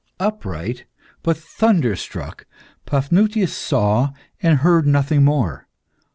Upright, but thunderstruck, Paphnutius saw and heard nothing more.